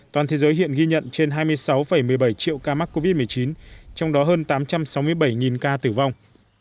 toàn thế giới hiện ghi nhận trên hai mươi sáu một mươi bảy triệu ca mắc covid một mươi chín trong đó hơn tám trăm sáu mươi bảy ca tử vong